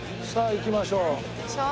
行きましょう！